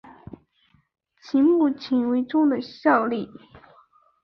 其目前为中的效力。